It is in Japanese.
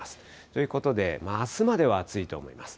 ということで、あすまでは暑いと思います。